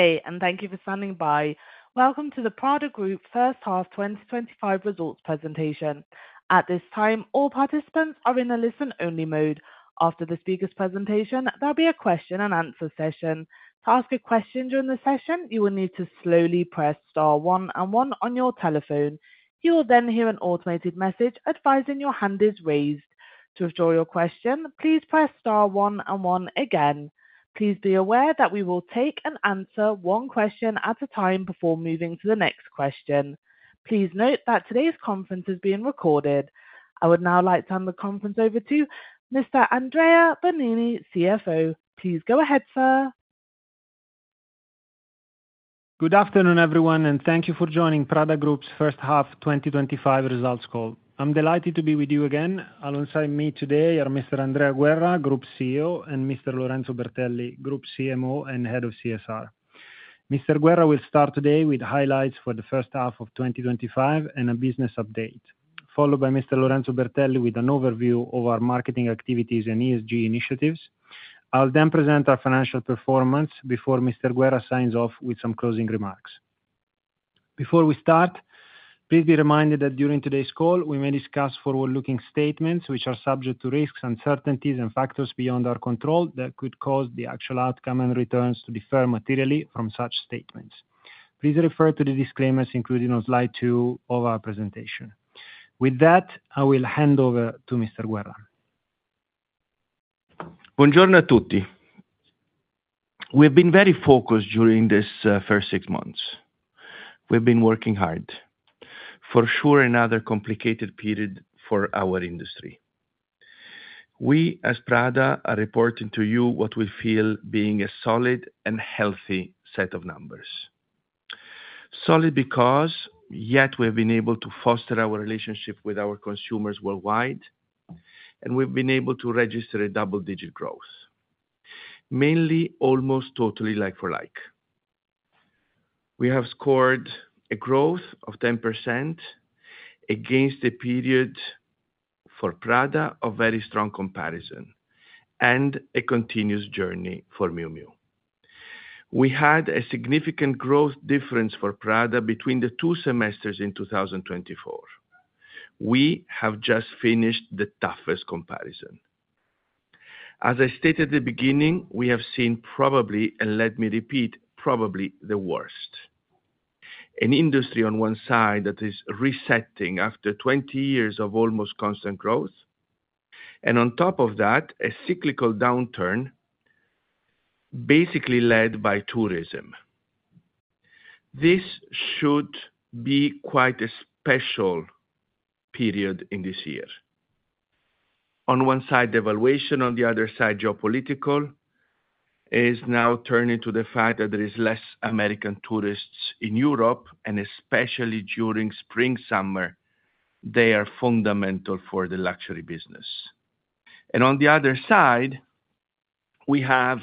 Hey, and thank you for standing by. Welcome to the Prada Group First Half 2025 results presentation. At this time, all participants are in a listen-only mode. After the speaker's presentation, there'll be a question-and-answer session. To ask a question during the session, you will need to slowly press Star 1 and 1 on your telephone. You will then hear an automated message advising your hand is raised. To draw your question, please press Star 1 and 1 again. Please be aware that we will take and answer one question at a time before moving to the next question. Please note that today's conference is being recorded. I would now like to hand the conference over to Mr. Andrea Bonini, CFO. Please go ahead, sir. Good afternoon, everyone, and thank you for joining Prada Group's First Half 2025 results call. I'm delighted to be with you again. Alongside me today are Mr. Andrea Guerra, Group CEO, and Mr. Lorenzo Bertelli, CMO, and Head of CSR. Mr. Guerra will start today with highlights for the first half of 2025 and a business update, followed by Mr. Lorenzo Bertelli with an overview of our marketing activities and ESG, initiatives. I'll then present our financial performance before Mr. Guerra, signs off with some closing remarks. Before we start, please be reminded that during today's call, we may discuss forward-looking statements which are subject to risks, uncertainties, and factors beyond our control that could cause the actual outcome and returns to differ materially from such statements. Please refer to the disclaimers included on slide two of our presentation. With that, I will hand over to Mr. Guerra. Buongiorno a tutti. We've been very focused during these first six months. We've been working hard. For sure, another complicated period for our industry. We, as Prada, are reporting to you what we feel being a solid and healthy set of numbers. Solid because yet we have been able to foster our relationship with our consumers worldwide, and we've been able to register a double-digit growth. Mainly almost totally like for like. We have scored a growth of 10%, against a period for Prada, of very strong comparison and a continuous journey for Miu Miu. We had a significant growth difference for Prada, between the two semesters in 2024. We have just finished the toughest comparison. As I stated at the beginning, we have seen probably, and let me repeat, probably the worst. An industry on one side that is resetting after 20 years of almost constant growth. On top of that, a cyclical downturn. Basically led by tourism. This should be quite a special period in this year. On one side, the evaluation; on the other side, geopolitical. Is now turning to the fact that there are fewer American, tourists in Europe, and especially during spring-summer. They are fundamental for the luxury business. On the other side, we have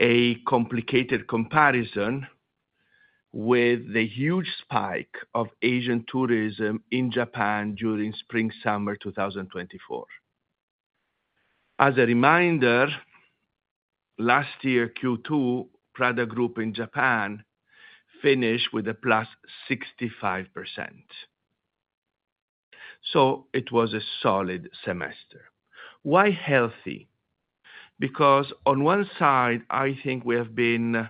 a complicated comparison with the huge spike of Asian, tourism in Japan, during spring-summer 2024. As a reminder, last year, Q2, Prada Group, in Japan finished with a plus 65%. It was a solid semester. Why healthy? Because on one side, I think we have been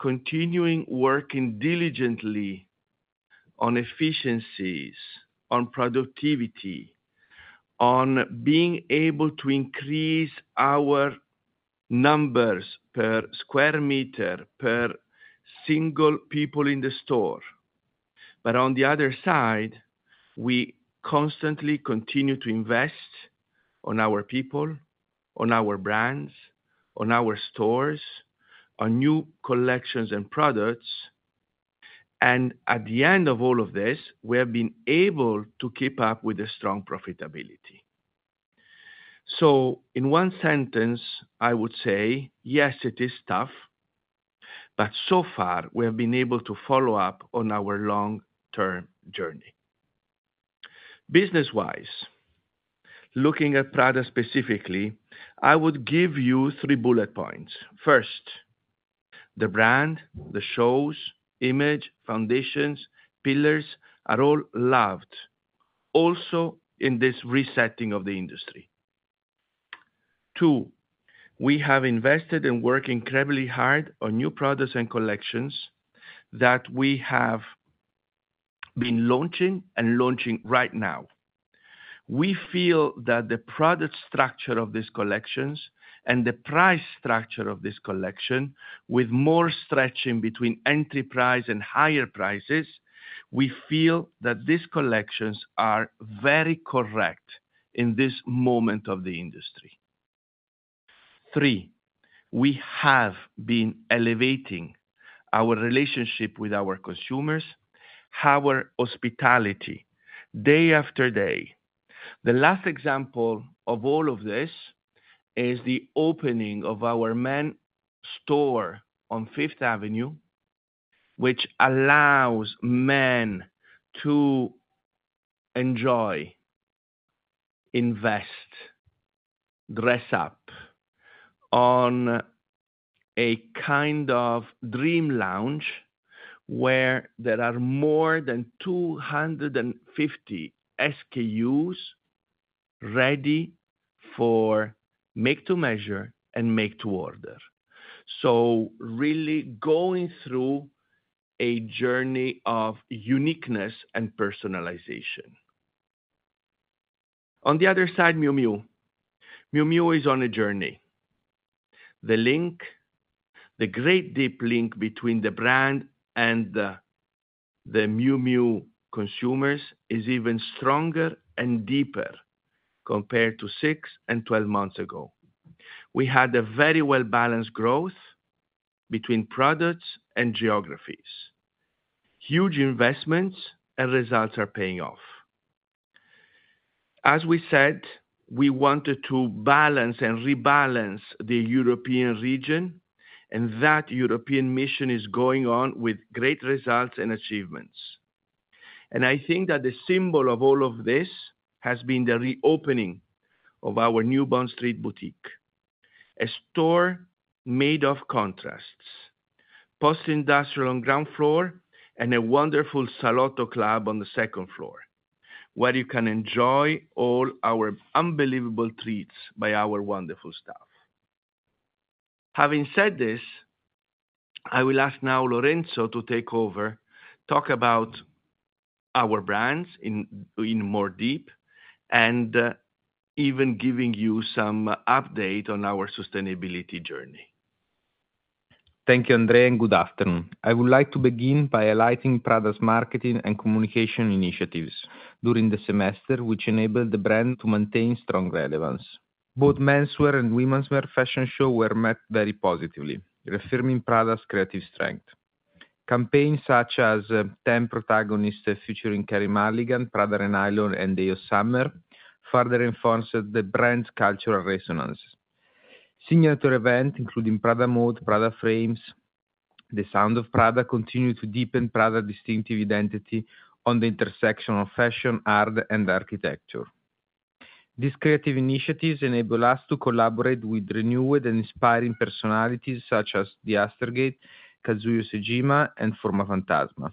continuing working diligently on efficiencies, on productivity, on being able to increase our numbers per square meter, per single people in the store. On the other side, we constantly continue to invest on our people, on our brands, on our stores, on new collections and products. At the end of all of this, we have been able to keep up with a strong profitability. In one sentence, I would say, yes, it is tough. So far, we have been able to follow up on our long-term journey. Business-wise. Looking at Prada, specifically, I would give you three bullet points. First. The brand, the shows, image, foundations, pillars are all loved. Also in this resetting of the industry. Two, we have invested and worked incredibly hard on new products and collections that we have been launching and launching right now. We feel that the product structure of these collections and the price structure of this collection, with more stretching between entry price and higher prices, we feel that these collections, are very correct in this moment of the industry. Three, we have been elevating our relationship with our consumers, our hospitality, day after day. The last example of all of this is the opening of our men's store on Fifth Avenue, which allows men to enjoy, invest, dress up, on a kind of dream lounge, where there are more than 250 SKUs, ready for make-to-measure and make-to-order. So really going through a journey of uniqueness and personalization. On the other side, Miu Miu. Miu Miu, is on a journey. The link, the great deep link between the brand and the Miu Miu, consumers is even stronger and deeper compared to six and twelve months ago. We had a very well-balanced growth between products and geographies. Huge investments, and results are paying off. As we said, we wanted to balance and rebalance the European region, and that European, mission is going on with great results and achievements. I think that the symbol of all of this has been the reopening of our new Bond Street boutique, a store made of contrasts, post-industrial on the ground floor, and a wonderful Salotto Club, on the second floor, where you can enjoy all our unbelievable treats by our wonderful staff. Having said this, I will ask now Lorenzo, to take over, talk about our brands in more deep, and even giving you some update on our sustainability journey. Thank you, Andrea, and good afternoon. I would like to begin by highlighting Prada's, marketing and communication initiatives during the semester, which enabled the brand to maintain strong relevance. Both menswear and womenswear fashion shows, were met very positively, reaffirming Prada's, creative strength. Campaigns such as 10 Protagonists, featuring Carey Mulligan, Prada RenaiLo, and Deio Summer, further enhanced the brand's cultural resonance. Signature events, including Prada Mode, Prada Frames, The Sound of Prada, continue to deepen Prada's, distinctive identity on the intersection of fashion, art, and architecture. These creative initiatives enable us to collaborate with renewed and inspiring personalities such as The Astergate, Kazuyo Sejima, and Formafantasma.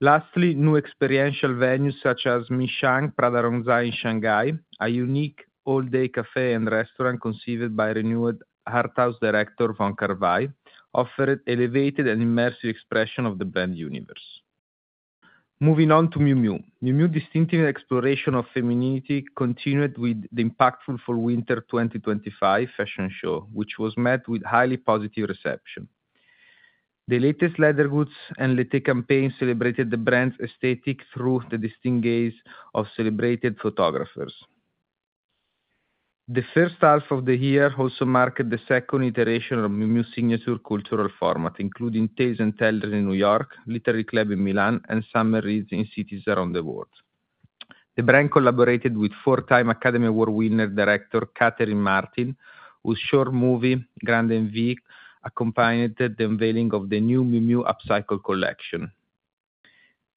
Lastly, new experiential venues such as Miss Shang, Prada Rong Zai, in Shanghai, a unique all-day café and restaurant conceived by renewed arthouse director Wong Kar-wai, offered elevated and immersive expression of the brand universe. Moving on to Miu Miu. Miu Miu's, distinctive exploration of femininity, continued with the impactful Fall/Winter 2025 fashion show, which was met with highly positive reception. The latest leather goods and leather campaigns celebrated the brand's aesthetic through the distinct gaze of celebrated photographers. The first half of the year also marked the second iteration of Miu Miu's, signature cultural format, including Tales and Tellers, in New York, Literary Club, in Milan, and Summer Reads, in cities around the world. The brand collaborated with four-time Academy Award winner director Katherine Martin, whose short movie Grand Envie, accompanied the unveiling of the new Miu Miu, Upcycle collection.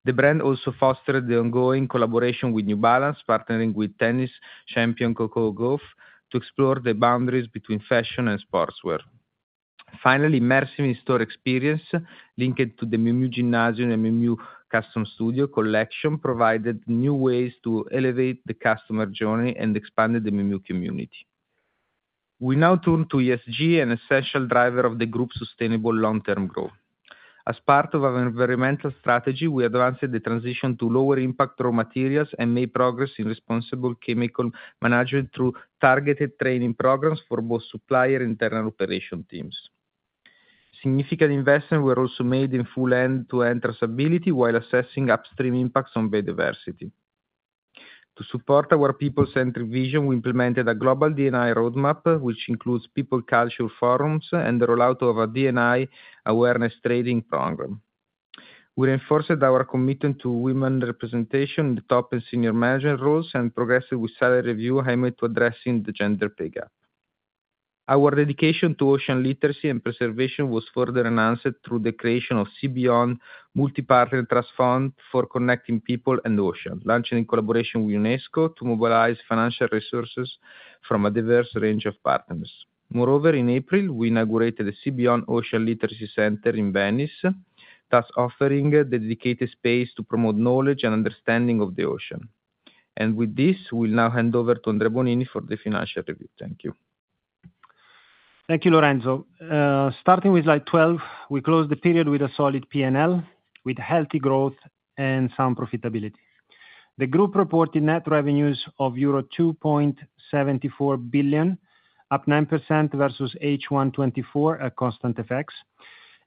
The brand also fostered the ongoing collaboration with New Balance, partnering with tennis champion Coco Gauff, to explore the boundaries between fashion and sportswear. Finally, immersive in-store experiences linked to the Miu Miu, Gymnasium and Miu Miu, Custom Studio collection provided new ways to elevate the customer journey and expanded the Miu Miu, community. We now turn to ESG, an essential driver of the group's sustainable long-term growth. As part of our environmental strategy, we advanced the transition to lower-impact raw materials and made progress in responsible chemical management through targeted training programs for both supplier and internal operation teams. Significant investments were also made in full-end to enter stability while assessing upstream impacts on biodiversity. To support our people-centric vision, we implemented a global D&I, roadmap, which includes people culture forums and the rollout of a D&I, awareness training program. We reinforced our commitment to women representation in the top and senior management roles and progressed with salary review aimed at addressing the gender pay gap. Our dedication to ocean literacy and preservation was further enhanced through the creation of CBION, Multi-Partner Trust Fund, for Connecting People and Oceans, launched in collaboration with UNESCO, to mobilize financial resources from a diverse range of partners. Moreover, in April, we inaugurated the CBION, Ocean Literacy Center, in Venice, thus offering a dedicated space to promote knowledge and understanding of the ocean. With this, we'll now hand over to Andrea Bonini, for the financial review. Thank you. Thank you, Lorenzo. Starting with slide 12, we closed the period with a solid P&L, with healthy growth and some profitability. The group reported net revenues, of euro 2.74 billion, up 9%, versus H124, at constant FX.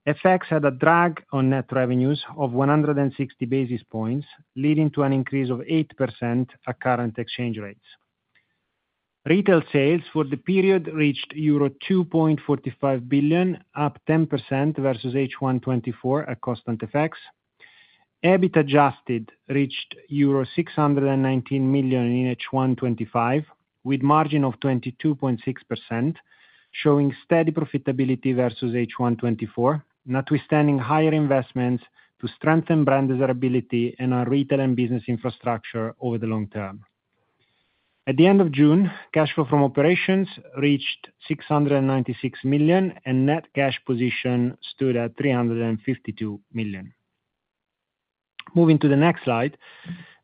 FX, had a drag on net revenues, of 160 basis points, leading to an increase of 8%, at current exchange rates. Retail sales for the period reached euro 2.45 billion, up 10%, versus H124, at constant FX. Adjusted EBIT, reached euro 619 million, in H125, with a margin of 22.6%. Showing steady profitability versus H124, notwithstanding higher investments to strengthen brand visibility and our retail and business infrastructure over the long term. At the end of June, cash flow from operations reached 696 million, and net cash position stood at 352 million. Moving to the next slide,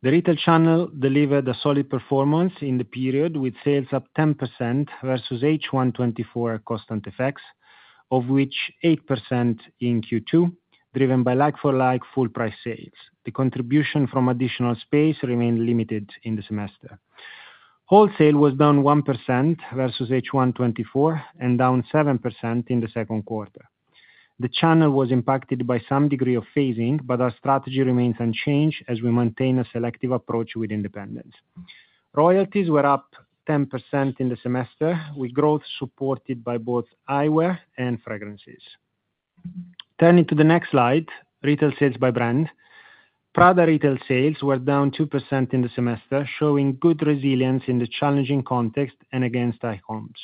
the retail channel delivered a solid performance in the period, with sales up 10%, versus H124, at constant FX, of which 8%, in Q2, driven by like-for-like full-price sales. The contribution from additional space remained limited in the semester. Wholesale was down 1%, versus H124, and down 7%, in the second quarter. The channel was impacted by some degree of phasing, but our strategy remains unchanged as we maintain a selective approach with independence. Royalties were up 10%, in the semester, with growth supported by both eyewear and fragrances. Turning to the next slide, retail sales by brand. Prada, retail sales were down 2%, in the semester, showing good resilience in the challenging context and against high comps.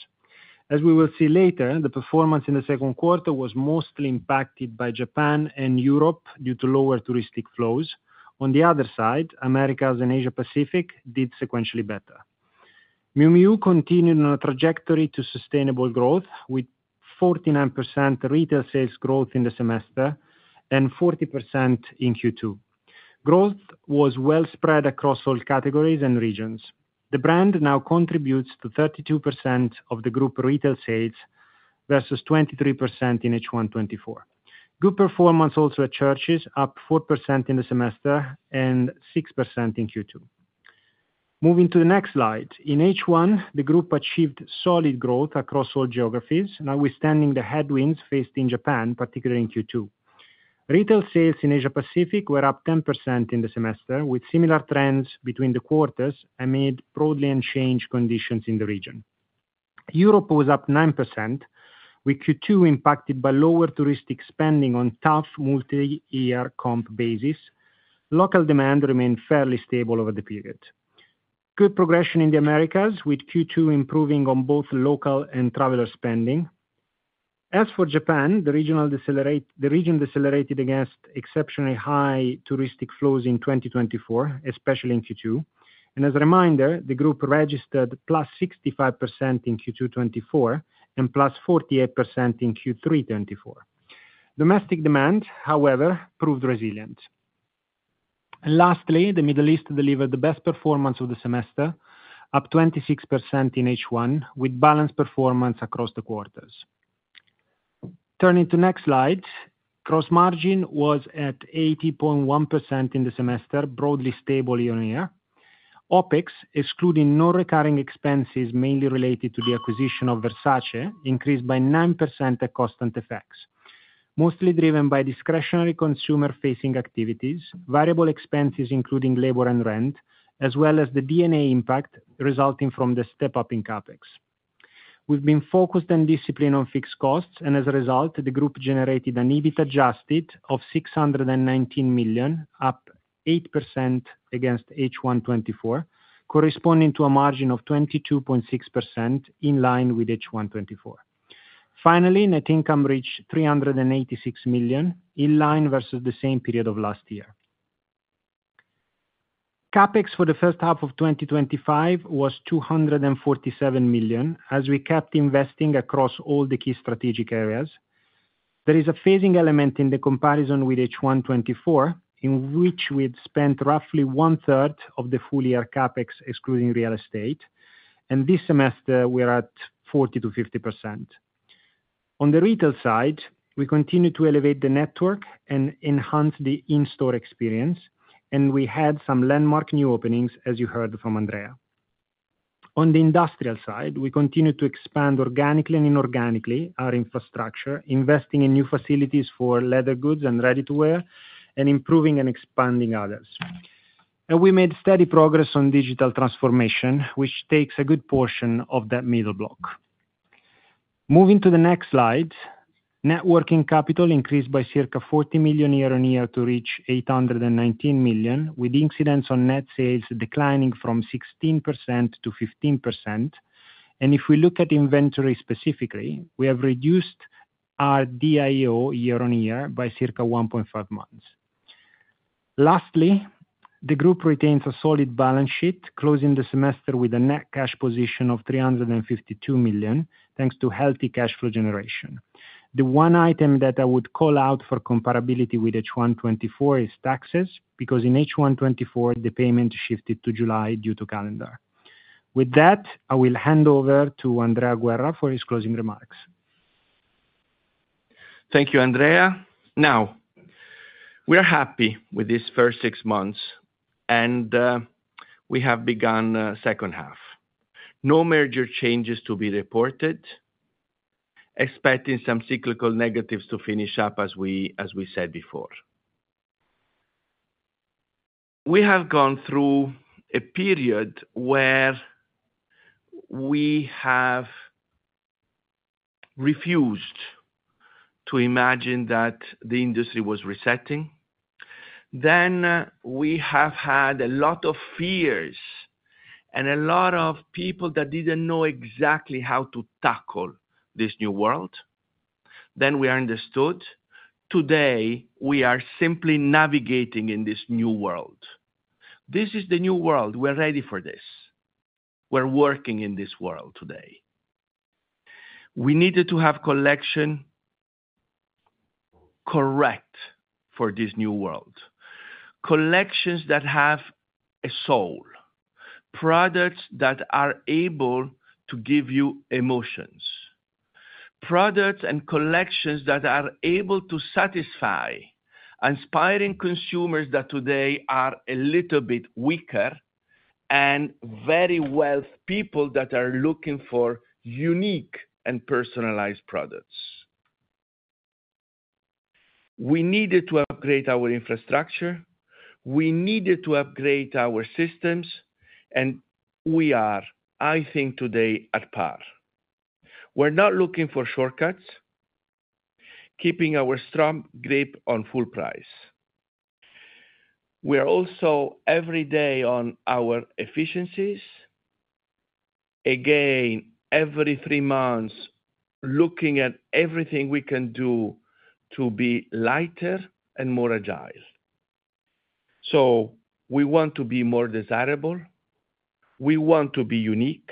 As we will see later, the performance in the second quarter was mostly impacted by Japan, and Europe, due to lower touristic flows. On the other side, Americas, and Asia-Pacific, did sequentially better. Miu Miu, continued on a trajectory to sustainable growth, with 49%, retail sales growth in the semester and 40%, in Q2. Growth was well spread across all categories and regions. The brand now contributes to 32%, of the group retail sales versus 23%, in H124. Good performance also at Church's, up 4%, in the semester and 6%, in Q2. Moving to the next slide, in H1, the group achieved solid growth across all geographies, notwithstanding the headwinds faced in Japan, particularly in Q2. Retail sales in Asia-Pacific, were up 10%, in the semester, with similar trends between the quarters amid broadly unchanged conditions in the region. Europe, was up 9%, with Q2, impacted by lower touristic spending on tough multi-year comp basis. Local demand remained fairly stable over the period. Good progression in the Americas, with Q2, improving on both local and traveler spending. As for Japan, the region decelerated against exceptionally high touristic flows in 2024, especially in Q2. As a reminder, the group registered +65%, in Q2, 2024 and +48%, in Q3, 2024. Domestic demand, however, proved resilient. Lastly, the Middle East, delivered the best performance of the semester, up 26%, in H1, with balanced performance across the quarters. Turning to the next slide, gross margin was at 80.1%, in the semester, broadly stable year on year. OpEx, excluding non-recurring expenses mainly related to the acquisition of Versace, increased by 9%, at constant FX, mostly driven by discretionary consumer-facing activities, variable expenses including labor and rent, as well as the D&I, impact resulting from the step-up in CapEx. We have been focused and disciplined on fixed costs, and as a result, the group generated an adjusted EBIT, of 619 million, up 8%, against H1 2024, corresponding to a margin of 22.6%, in line with H1 2024. Finally, net income reached 386 million, in line versus the same period of last year. CapEx, for the first half of 2025, was 247 million, as we kept investing across all the key strategic areas. There is a phasing element in the comparison with H1 2024, in which we had spent roughly one-third of the full-year CapEx, excluding real estate, and this semester we are at 40%-50%. On the retail side, we continue to elevate the network and enhance the in-store experience, and we had some landmark new openings, as you heard from Andrea. On the industrial side, we continue to expand organically and inorganically our infrastructure, investing in new facilities for leather goods and ready-to-wear, and improving and expanding others. We made steady progress on digital transformation, which takes a good portion of that middle block. Moving to the next slide, net working capital increased by circa 40 million, year on year to reach 819 million, with incidence on net sales declining from 16% to 15%. If we look at inventory specifically, we have reduced our DIO, year on year by circa 1.5 months. Lastly, the group retains a solid balance sheet, closing the semester with a net cash position of 352 million, thanks to healthy cash flow generation. The one item that I would call out for comparability with H1 2024 is taxes, because in H1 2024, the payment shifted to July, due to calendar. With that, I will hand over to Andrea Guerra, for his closing remarks. Thank you, Andrea. Now, we are happy with these first six months, and we have begun the second half. No major changes to be reported. Expecting some cyclical negatives to finish up, as we said before. We have gone through a period where we have refused to imagine that the industry was resetting. Then we have had a lot of fears and a lot of people that did not know exactly how to tackle this new world. Then we are understood. Today, we are simply navigating in this new world. This is the new world. We are ready for this. We are working in this world today. We needed to have collections correct for this new world. Collections that have a soul. Products that are able to give you emotions. Products and collections that are able to satisfy inspiring consumers that today are a little bit weaker and very wealthy people that are looking for unique and personalized products. We needed to upgrade our infrastructure. We needed to upgrade our systems, and we are, I think, today at par. We are not looking for shortcuts. Keeping our strong grip on full price. We are also every day on our efficiencies. Again, every three months, looking at everything we can do to be lighter and more agile. We want to be more desirable. We want to be unique.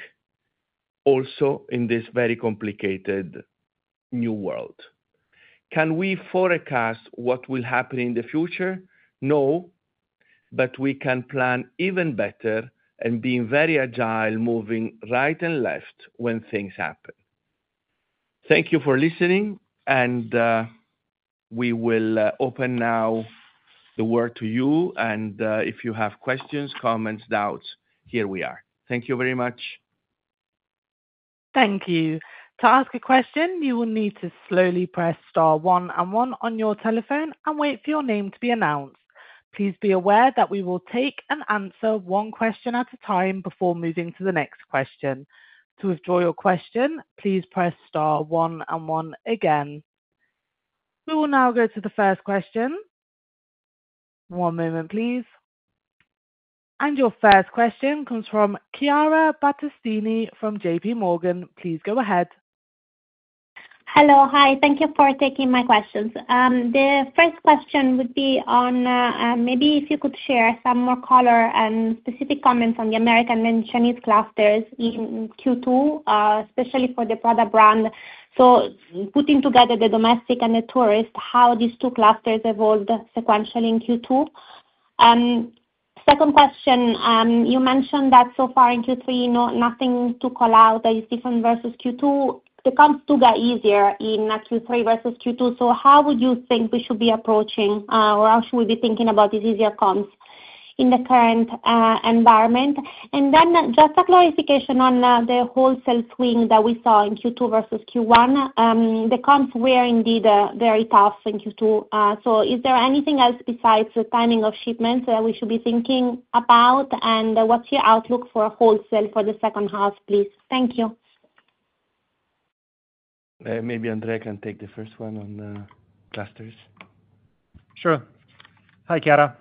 Also in this very complicated new world. Can we forecast what will happen in the future? No. We can plan even better and be very agile, moving right and left when things happen. Thank you for listening, and we will open now the word to you. If you have questions, comments, doubts, here we are. Thank you very much. Thank you. To ask a question, you will need to slowly press star one and one on your telephone and wait for your name to be announced. Please be aware that we will take and answer one question at a time before moving to the next question. To withdraw your question, please press star one and one again. We will now go to the first question. One moment, please. Your first question comes from Chiara Battistini, from JPMorgan. Please go ahead. Hello. Hi. Thank you for taking my questions. The first question would be on maybe if you could share some more color and specific comments on the American, and Chinese, clusters in Q2, especially for the Prada, brand. Putting together the domestic and the tourist, how these two clusters evolved sequentially in Q2. Second question, you mentioned that so far in Q3, nothing to call out that is different versus Q2. The comps do get easier in Q3 versus Q2. How would you think we should be approaching, or how should we be thinking about these easier comps in the current environment? And then just a clarification on the wholesale swing that we saw in Q2 versus Q1. The comps were indeed very tough in Q2. Is there anything else besides the timing of shipments that we should be thinking about? And what is your outlook for wholesale for the second half, please? Thank you. Maybe Andrea, can take the first one on clusters. Sure. Hi, Chiara.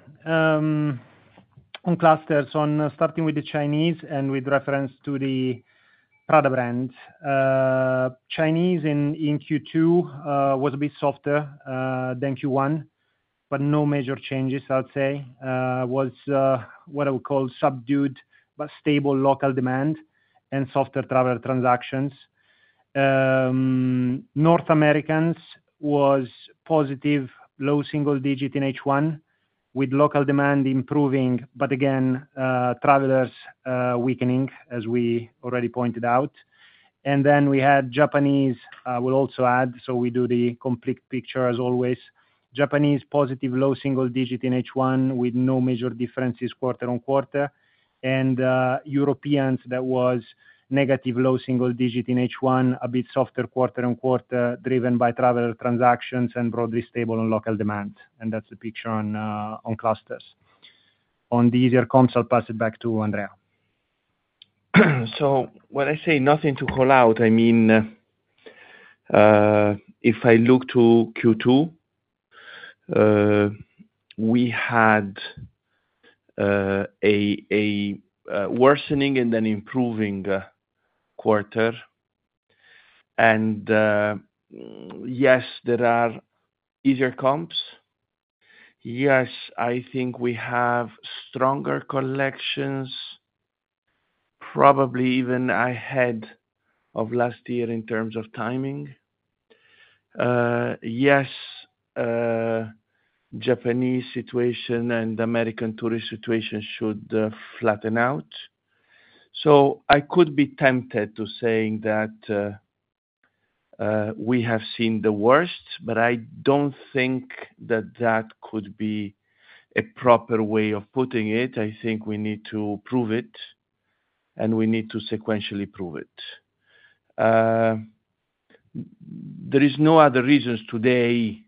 On clusters, starting with the Chinese, and with reference to the Prada, brand. Chinese, in Q2 was a bit softer than Q1, but no major changes, I would say. Was what I would call subdued but stable local demand and softer traveler transactions. North Americans, was positive, low single digit in H1, with local demand improving, but again, travelers weakening, as we already pointed out. I will also add Japanese, so we do the complete picture as always. Japanese, positive, low single digit in H1, with no major differences quarter on quarter. Europeans, that was negative, low single digit in H1, a bit softer quarter on quarter, driven by traveler transactions and broadly stable on local demand. That is the picture on clusters. On the easier comps, I'll pass it back to Andrea. When I say nothing to call out, I mean, if I look to Q2, we had a worsening and then improving quarter. Yes, there are easier comps. Yes, I think we have stronger collections, probably even ahead of last year in terms of timing. Yes, Japanese, situation and American, tourist situation should flatten out. I could be tempted to say that we have seen the worst, but I do not think that that could be a proper way of putting it. I think we need to prove it, and we need to sequentially prove it. There are no other reasons today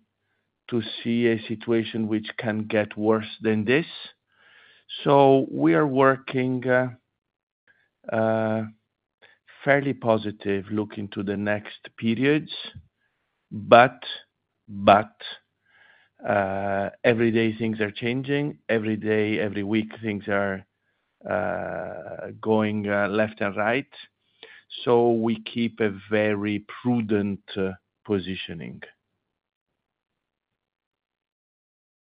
to see a situation which can get worse than this. We are working fairly positive looking to the next periods. Every day things are changing. Every day, every week, things are going left and right. We keep a very prudent positioning.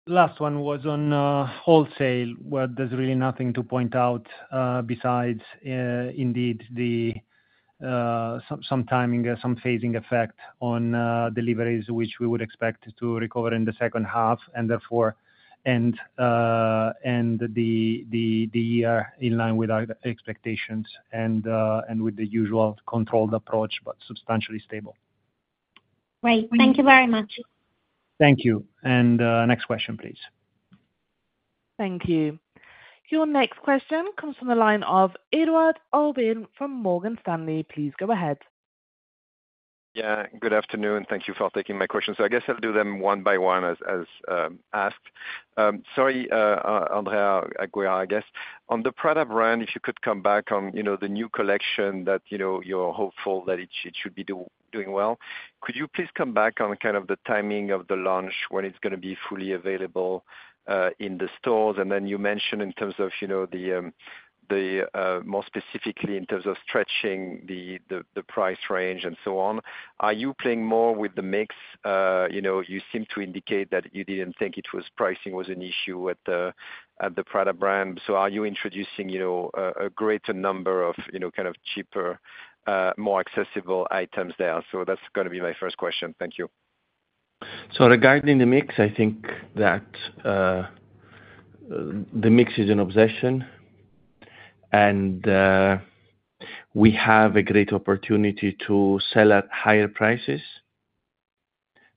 Last one was on wholesale, but there's really nothing to point out besides, indeed, the. Some timing, some phasing effect on deliveries, which we would expect to recover in the second half and therefore end the year in line with our expectations and with the usual controlled approach, but substantially stable. Great. Thank you very much. Thank you. Next question, please. Thank you. Your next question comes from the line of Edouard Aubin, from Morgan Stanley. Please go ahead. Yeah. Good afternoon. Thank you for taking my question. I guess I'll do them one by one as asked. Sorry, Andrea Guerra, I guess. On the Prada brand, if you could come back on the new collection that you're hopeful that it should be doing well, could you please come back on kind of the timing of the launch, when it's going to be fully available in the stores? You mentioned more specifically in terms of stretching the price range and so on. Are you playing more with the mix? You seem to indicate that you didn't think pricing was an issue at the Prada, brand. Are you introducing a greater number of kind of cheaper, more accessible items there? That's going to be my first question. Thank you. Regarding the mix, I think that the mix is an obsession. We have a great opportunity to sell at higher prices.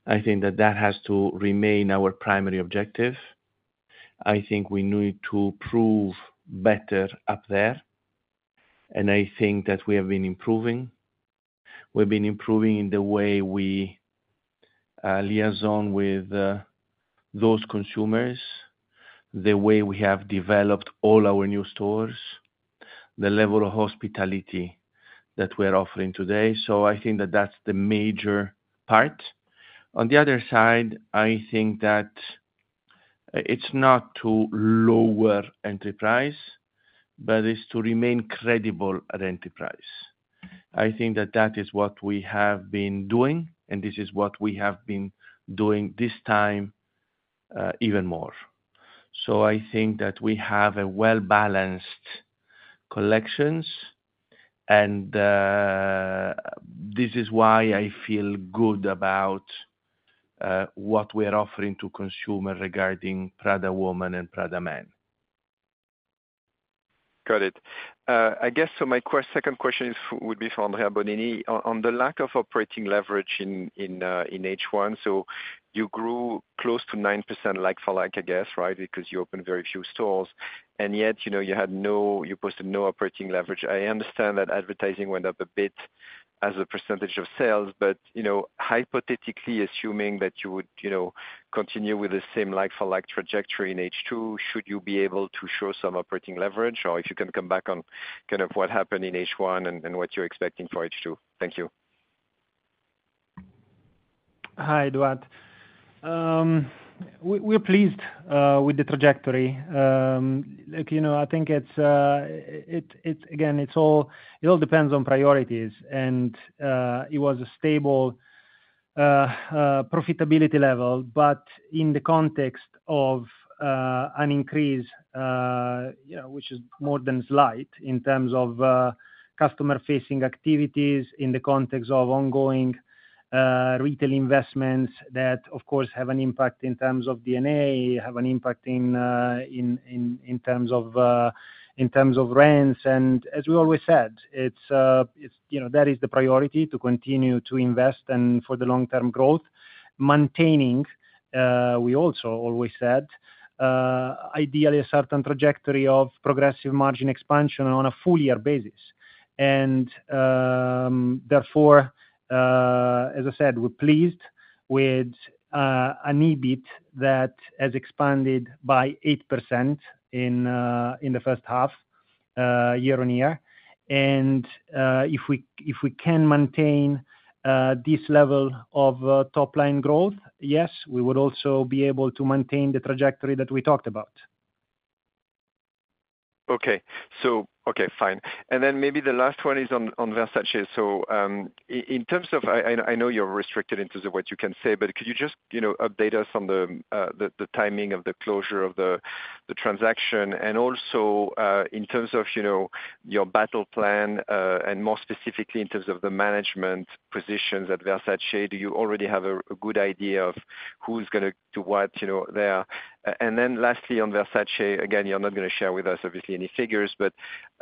I think that that has to remain our primary objective. I think we need to prove better up there. I think that we have been improving. We've been improving in the way we liaison, with those consumers, the way we have developed all our new stores, the level of hospitality that we are offering today. I think that that's the major part. On the other side, I think that it's not to lower enterprise, but it's to remain credible at enterprise. I think that that is what we have been doing, and this is what we have been doing this time even more. I think that we have well-balanced collections, and this is why I feel good about what we are offering to consumers regarding Prada women, and Prada men. Got it. I guess my second question would be for Andrea Bonini, on the lack of operating leverage in H1. You grew close to 9%, like-for-like, I guess, right? Because you opened very few stores. Yet you had no—you posted no operating leverage. I understand that advertising went up a bit as a percentage of sales, but hypothetically, assuming that you would continue with the same like-for-like trajectory in H2, should you be able to show some operating leverage? If you can come back on what happened in H1 and what you're expecting for H2. Thank you. Hi, Edouard. We're pleased with the trajectory. I think it's. Again, it all depends on priorities. It was a stable profitability level, but in the context of an increase, which is more than slight in terms of customer-facing activities, in the context of ongoing retail investments that, of course, have an impact in terms of DNA, have an impact in terms of rents. As we always said, that is the priority: to continue to invest and for the long-term growth, maintaining, we also always said, ideally, a certain trajectory of progressive margin expansion on a full-year basis. Therefore, as I said, we're pleased with an EBIT, that has expanded by 8%, in the first half, year on year. If we can maintain this level of top-line growth, yes, we would also be able to maintain the trajectory that we talked about. Okay. Okay, fine. Maybe the last one is on Versace. In terms of—I know you're restricted in terms of what you can say, but could you just update us on the timing of the closure of the transaction? Also, in terms of your battle plan, and more specifically in terms of the management positions at Versace, do you already have a good idea of who's going to do what there? Lastly, on Versace, again, you're not going to share with us, obviously,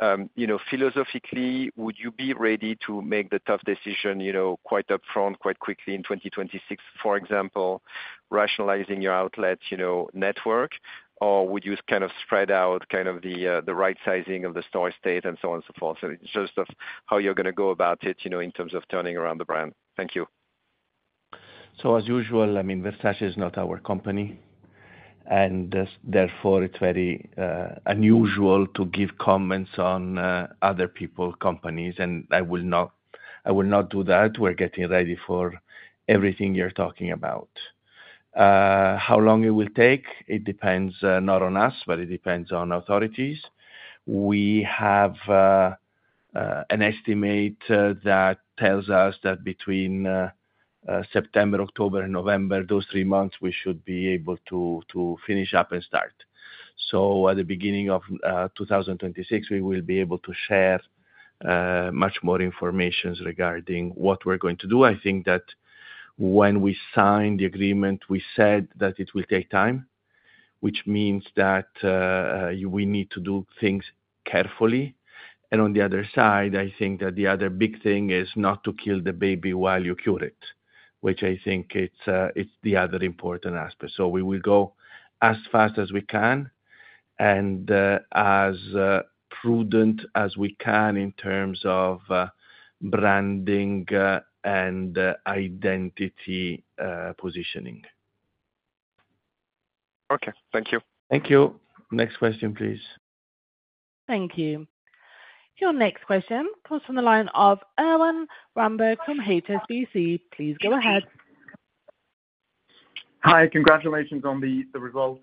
any figures, but philosophically, would you be ready to make the tough decision quite upfront, quite quickly in 2026, for example, rationalizing your outlet network? Or would you kind of spread out the right-sizing of the store estate and so on and so forth? It's just how you're going to go about it in terms of turning around the brand. Thank you. As usual, I mean, Versace, is not our company. Therefore, it's very unusual to give comments on other people's companies. I will not do that. We're getting ready for everything you're talking about. How long it will take depends not on us, but it depends on authorities. We have an estimate that tells us that between September, October, and November, those three months, we should be able to finish up and start. At the beginning of 2026, we will be able to share much more information regarding what we're going to do. I think that when we signed the agreement, we said that it will take time, which means that we need to do things carefully. On the other side, I think that the other big thing is not to kill the baby while you cure it, which I think is the other important aspect. We will go as fast as we can and as prudent as we can in terms of branding and identity positioning. Okay. Thank you. Thank you. Next question, please. Thank you. Your next question comes from the line of Erwan Rambourg, from HSBC. Please go ahead. Hi. Congratulations on the results.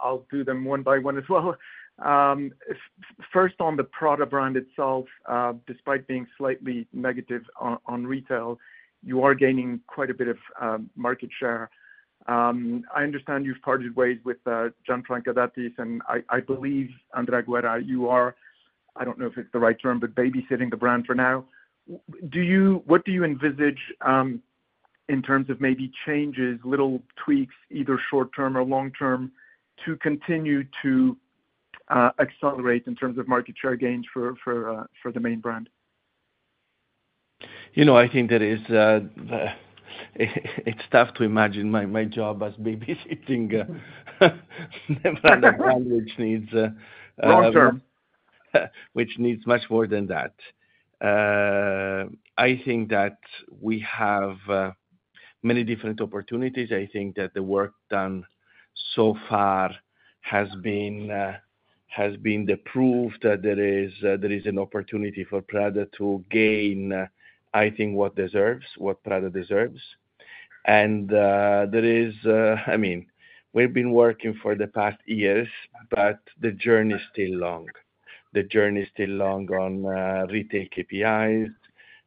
I'll do them one by one as well. First, on the Prada, brand itself, despite being slightly negative on retail, you are gaining quite a bit of market share. I understand you've parted ways with Gianfranco Dattis, and I believe, Andrea Guerra, you are—I don't know if it's the right term, but babysitting the brand for now. What do you envisage in terms of maybe changes, little tweaks, either short-term or long-term, to continue to accelerate in terms of market share gains for the main brand? I think that it's tough to imagine my job as babysitting the brand which needs. Long-term. Which needs much more than that. I think that we have many different opportunities. I think that the work done so far has been the proof that there is an opportunity for Prada, to gain, I think, what Prada, deserves. I mean, we've been working for the past years, but the journey is still long. The journey is still long on retail KPIs.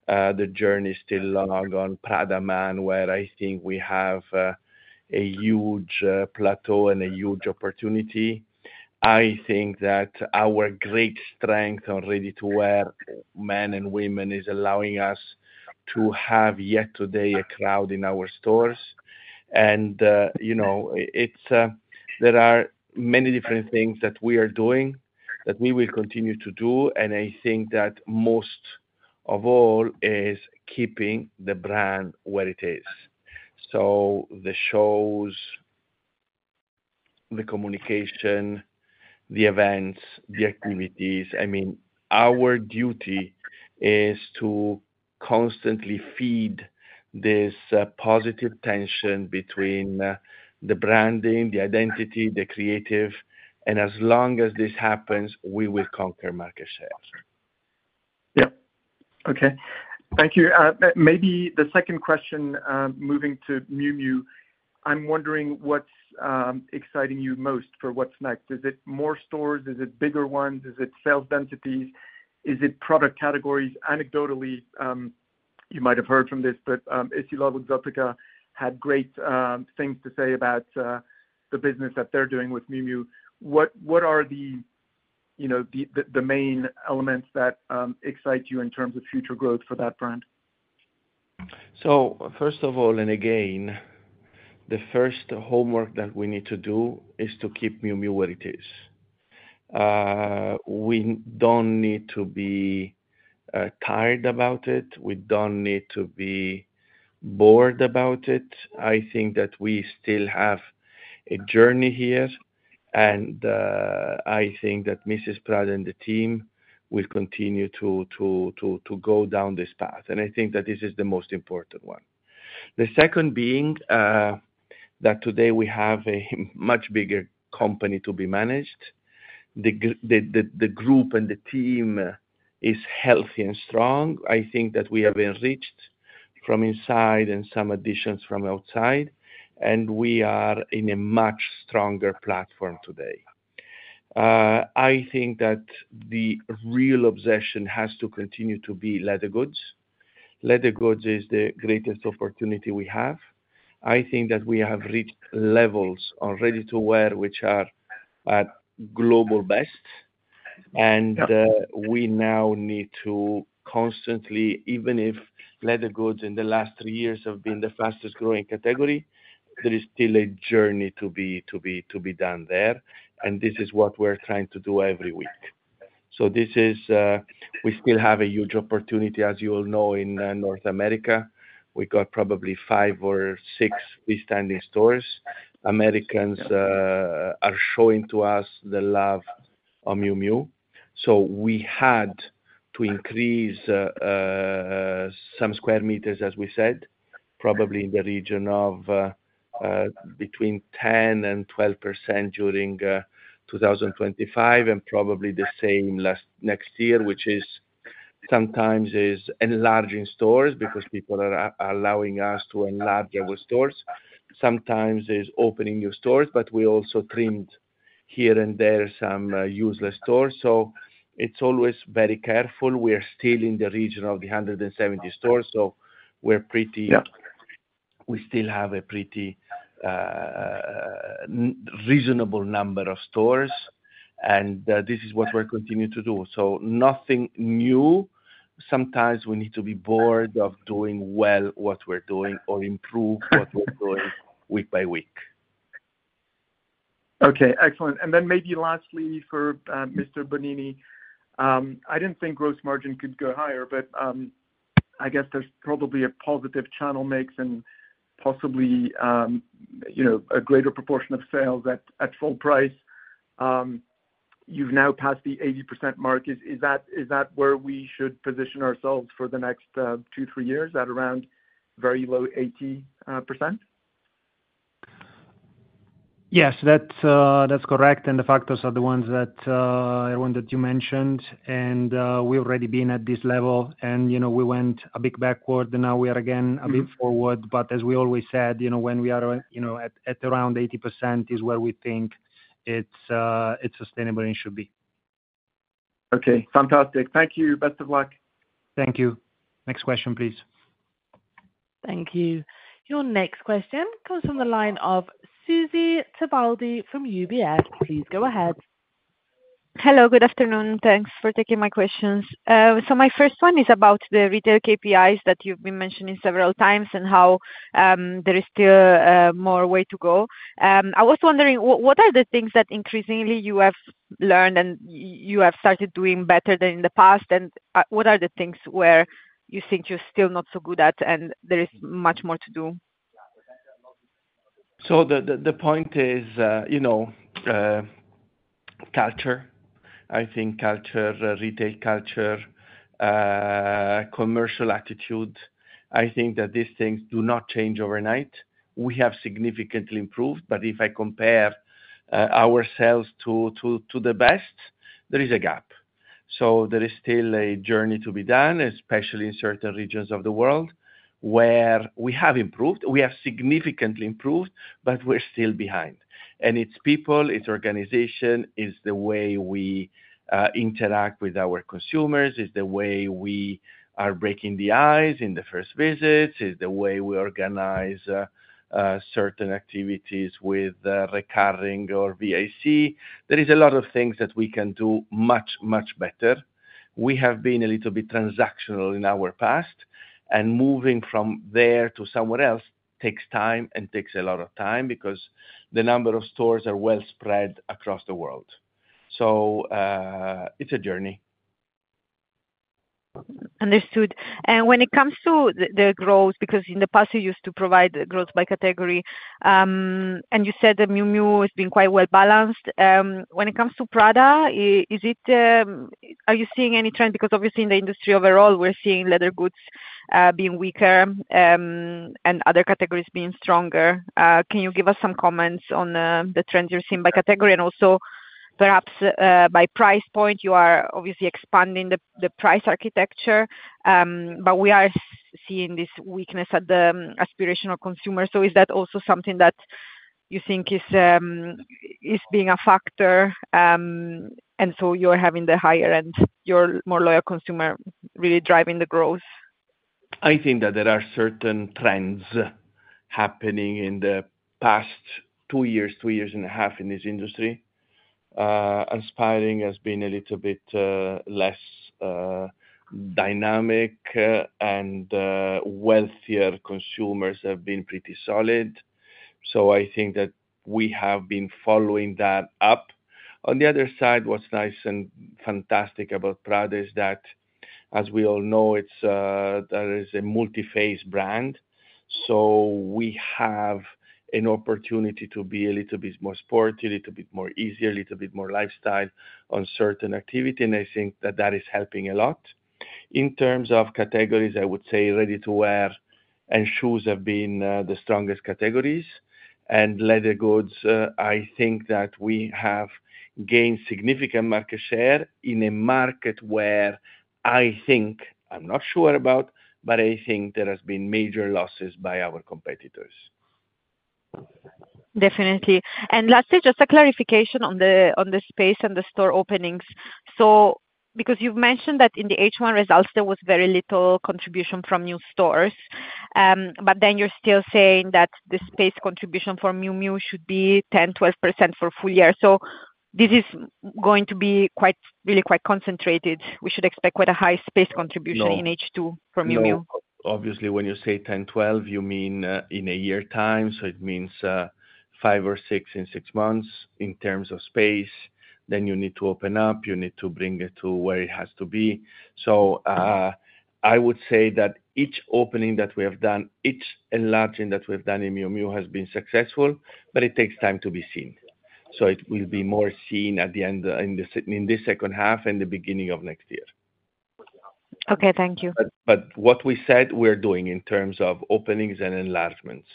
The journey is still long on Prada, Man, where I think we have a huge plateau and a huge opportunity. I think that our great strength on ready-to-wear men and women is allowing us to have yet today a crowd in our stores. There are many different things that we are doing that we will continue to do. I think that most of all is keeping the brand where it is. The shows, the communication, the events, the activities. I mean, our duty is to constantly feed this positive tension between the branding, the identity, the creative. As long as this happens, we will conquer market share. Yeah. Okay. Thank you. Maybe the second question, moving to Miu Miu, I'm wondering what's exciting you most for what's next? Is it more stores? Is it bigger ones? Is it sales densities? Is it product categories? Anecdotally, you might have heard from this, but EssilorLuxottica, had great things to say about the business that they're doing with Miu Miu. What are the main elements that excite you in terms of future growth for that brand? First of all, the first homework that we need to do is to keep Miu Miu, where it is. We do not need to be tired about it. We do not need to be bored about it. I think that we still have a journey here. I think that Mrs. Prada, and the team will continue to go down this path. I think that this is the most important one. The second being that today we have a much bigger company to be managed. The group and the team is healthy and strong. I think that we have enriched from inside and some additions from outside. We are in a much stronger platform today. I think that the real obsession has to continue to be leather goods. Leather goods, is the greatest opportunity we have. I think that we have reached levels on ready-to-wear which are global best. We now need to constantly, even if leather goods in the last three years have been the fastest-growing category, there is still a journey to be done there. This is what we are trying to do every week. We still have a huge opportunity, as you all know, in North America. We got probably five or six freestanding stores. Americans, are showing to us the love of Miu Miu. We had to increase some square meters, as we said, probably in the region of between 10-12%, during 2025, and probably the same next year, which sometimes is enlarging stores because people are allowing us to enlarge our stores. Sometimes it is opening new stores, but we also trimmed here and there some useless stores. It is always very careful. We are still in the region of the 170 stores. We still have a pretty reasonable number of stores. This is what we are continuing to do. Nothing new. Sometimes we need to be bored of doing well what we are doing or improve what we are doing week by week. Okay. Excellent. Maybe lastly for Mr. Bonini, I did not think gross margin could go higher, but I guess there is probably a positive channel mix and possibly a greater proportion of sales at full price. You have now passed the 80%, mark. Is that where we should position ourselves for the next two to three years, at around very low 80%? Yes, that's correct. The factors are the ones that you mentioned. We've already been at this level. We went a bit backward, and now we are again a bit forward. As we always said, when we are at around 80%, is where we think it's sustainable and should be. Okay. Fantastic. Thank you. Best of luck. Thank you. Next question, please. Thank you. Your next question comes from the line of Susy Tibaldi, from UBS. Please go ahead. Hello. Good afternoon. Thanks for taking my questions. My first one is about the retail KPIs, that you've been mentioning several times and how there is still more way to go. I was wondering, what are the things that increasingly you have learned and you have started doing better than in the past? What are the things where you think you're still not so good at and there is much more to do? The point is culture. I think culture, retail culture, commercial attitude. I think that these things do not change overnight. We have significantly improved. If I compare ourselves to the best, there is a gap. There is still a journey to be done, especially in certain regions of the world where we have improved. We have significantly improved, but we're still behind. It's people, it's organization, it's the way we interact with our consumers, it's the way we are breaking the ice in the first visits, it's the way we organize certain activities with recurring or VAC. There are a lot of things that we can do much, much better. We have been a little bit transactional in our past. Moving from there to somewhere else takes time and takes a lot of time because the number of stores are well spread across the world. It's a journey. Understood. When it comes to the growth, because in the past, you used to provide growth by category. You said that Miu Miu, has been quite well balanced. When it comes to Prada, are you seeing any trend? Obviously, in the industry overall, we're seeing leather goods being weaker and other categories being stronger. Can you give us some comments on the trends you're seeing by category? Also, perhaps by price point, you are obviously expanding the price architecture. We are seeing this weakness at the aspirational consumer. Is that also something that you think is being a factor? You're having the higher-end, your more loyal consumer really driving the growth? I think that there are certain trends happening in the past two years, two years and a half in this industry. Aspiring has been a little bit less dynamic, and wealthier consumers have been pretty solid. I think that we have been following that up. On the other side, what is nice and fantastic about Prada, is that, as we all know, there is a multi-phased brand. We have an opportunity to be a little bit more sporty, a little bit more easier, a little bit more lifestyle on certain activities. I think that that is helping a lot. In terms of categories, I would say ready-to-wear and shoes have been the strongest categories. Leather goods, I think that we have gained significant market share in a market where I think, I am not sure about, but I think there have been major losses by our competitors. Definitely. Lastly, just a clarification on the space and the store openings. Because you've mentioned that in the H1, results, there was very little contribution from new stores. You are still saying that the space contribution for Miu Miu, should be 10-12%, for the full year. This is going to be really quite concentrated. We should expect quite a high space contribution in H2 for Miu Miu. Obviously, when you say 10-12, you mean in a year's time. It means five or six in six months in terms of space. You need to open up. You need to bring it to where it has to be. I would say that each opening that we have done, each enlarging that we've done in Miu Miu, has been successful, but it takes time to be seen. It will be more seen at the end in the second half and the beginning of next year. Okay. Thank you. What we said we're doing in terms of openings and enlargements.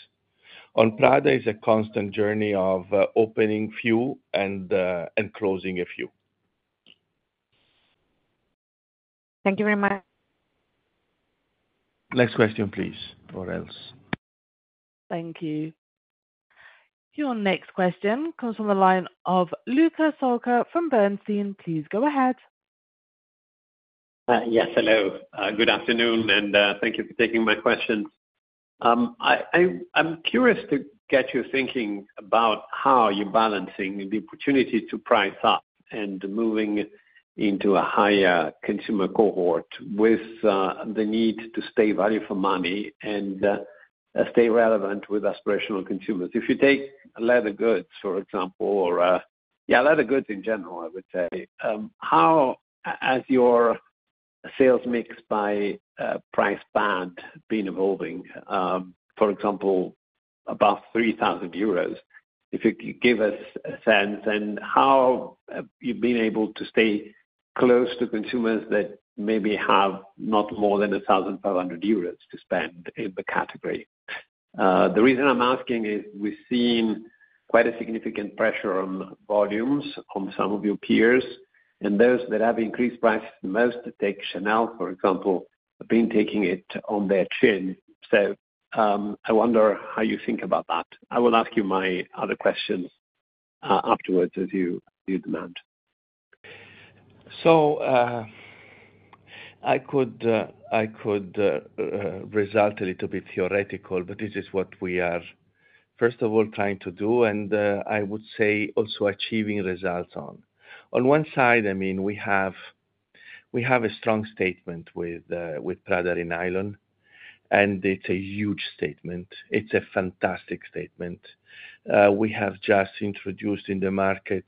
On Prada, it's a constant journey of opening few and closing a few. Thank you very much. Next question, please, or else. Thank you. Your next question comes from the line of Luca Solca, from Bernstein. Please go ahead. Yes. Hello. Good afternoon. Thank you for taking my questions. I'm curious to get your thinking about how you're balancing the opportunity to price up and moving into a higher consumer cohort with the need to stay value for money and stay relevant with aspirational consumers. If you take leather goods, for example, or yeah, leather goods in general, I would say. How has your sales mix by price band been evolving? For example, above 3,000 euros, if you could give us a sense, and how you've been able to stay close to consumers that maybe have not more than 1,500 euros to spend in the category? The reason I'm asking is we've seen quite a significant pressure on volumes on some of your peers. Those that have increased prices the most, take Chanel, for example, have been taking it on their chin. I wonder how you think about that. I will ask you my other questions afterwards as you demand. I could result a little bit theoretical, but this is what we are, first of all, trying to do, and I would say also achieving results on. On one side, I mean, we have a strong statement with Prada Re-Nylon, and it's a huge statement. It's a fantastic statement. We have just introduced in the market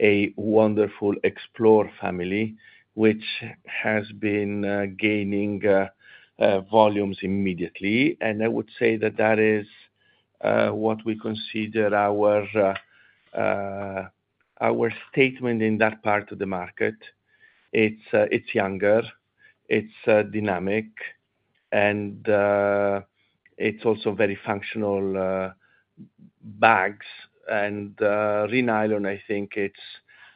a wonderful Explore, family, which has been gaining volumes immediately. I would say that that is what we consider our statement in that part of the market. It's younger, it's dynamic, and it's also very functional bags. Re-Nylon, I think, is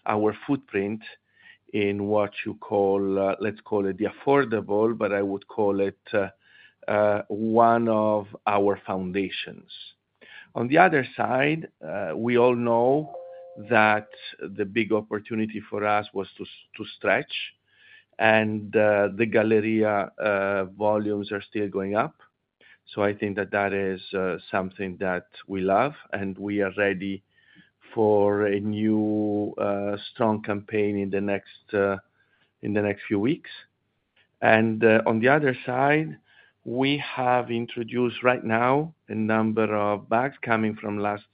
our footprint in what you call, let's call it the affordable, but I would call it one of our foundations. On the other side, we all know that the big opportunity for us was to stretch, and the Galleria volumes are still going up. I think that that is something that we love, and we are ready for a new strong campaign in the next few weeks. On the other side, we have introduced right now a number of bags coming from last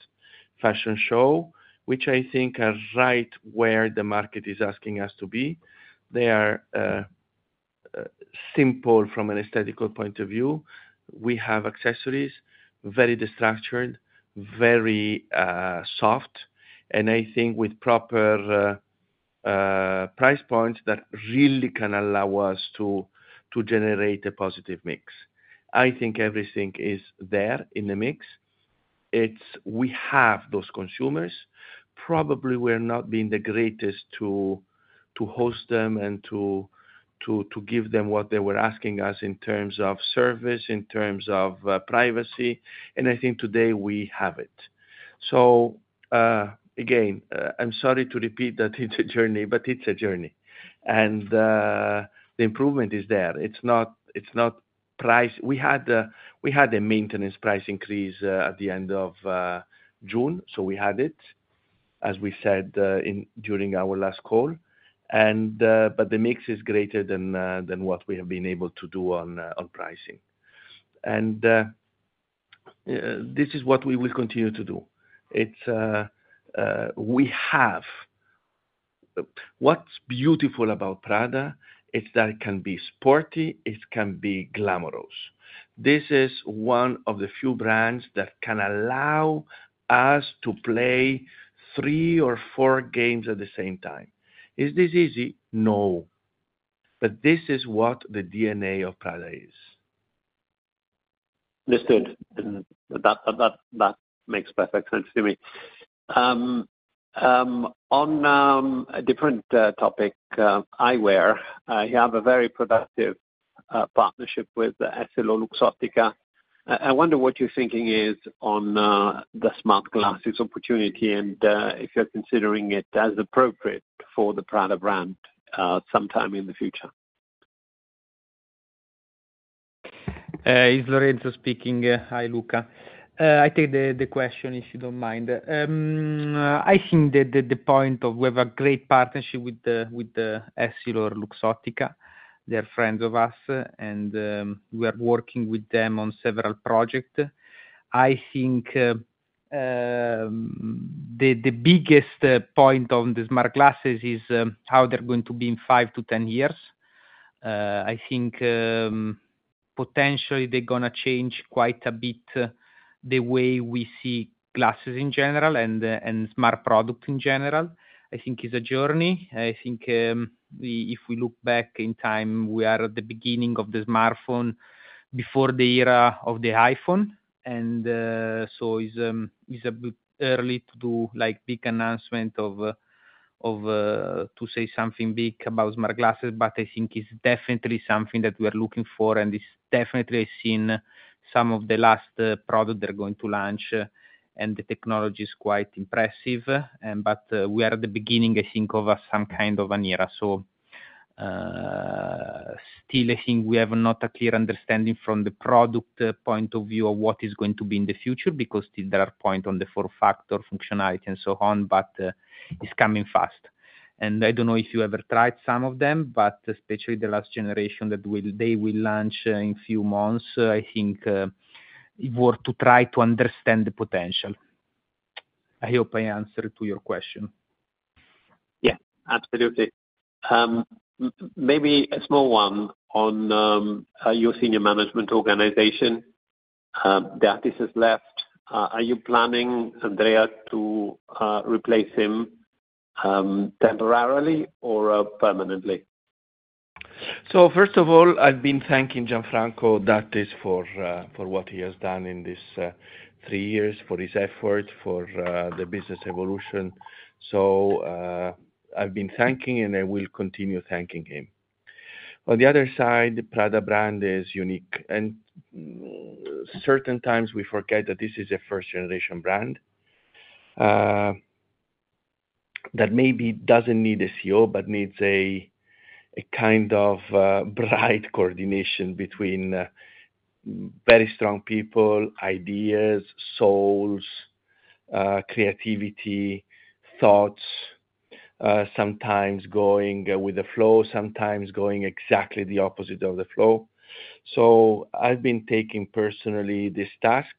fashion show, which I think are right where the market is asking us to be. They are simple from an aesthetical point of view. We have accessories, very destructured, very soft, and I think with proper price points that really can allow us to generate a positive mix. I think everything is there in the mix. We have those consumers. Probably we were not being the greatest to host them and to give them what they were asking us in terms of service, in terms of privacy. I think today we have it. Again, I'm sorry to repeat that it's a journey, but it's a journey. The improvement is there. It's not price. We had a maintenance price increase at the end of June, so we had it, as we said during our last call. The mix is greater than what we have been able to do on pricing. This is what we will continue to do. What's beautiful about Prada, is that it can be sporty, it can be glamorous. This is one of the few brands that can allow us to play three or four games at the same time. Is this easy? No. This is what the DNA, of Prada, is. Understood. That makes perfect sense to me. On a different topic, eyewear, you have a very productive partnership with Luxottica. I wonder what your thinking is on the smart glasses opportunity and if you're considering it as appropriate for the Prada brand sometime in the future. It's Lorenzo, speaking. Hi, Luca. I take the question if you don't mind. I think that the point of we have a great partnership with Luxottica. They're friends of us, and we are working with them on several projects. I think the biggest point of the smart glasses is how they're going to be in five to ten years. I think potentially they're going to change quite a bit the way we see glasses in general and smart products in general. I think it's a journey. I think if we look back in time, we are at the beginning of the smartphone before the era of the iPhone. It's a bit early to do big announcements, to say something big about smart glasses, but I think it's definitely something that we are looking for. It's definitely I've seen some of the last products they're going to launch, and the technology is quite impressive. We are at the beginning, I think, of some kind of an era. Still, I think we have not a clear understanding from the product point of view of what is going to be in the future because there are points on the form factor, functionality, and so on, but it's coming fast. I don't know if you ever tried some of them, but especially the last generation that they will launch in a few months, I think it's worth to try to understand the potential. I hope I answered your question. Yeah. Absolutely. Maybe a small one on your senior management organization. Dattis has left. Are you planning, Andrea, to replace him temporarily or permanently? First of all, I've been thanking Gianfranco Dattis, for what he has done in these three years, for his efforts, for the business evolution. I've been thanking, and I will continue thanking him. On the other side, Prada, brand is unique. Certain times we forget that this is a first-generation brand. That maybe does not need a CEO, but needs a kind of bright coordination between very strong people, ideas, souls, creativity, thoughts. Sometimes going with the flow, sometimes going exactly the opposite of the flow. I've been taking personally this task,